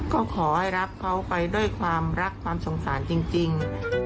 ก็ขอให้รับเขาไปด้วยความรักความสงสารจริง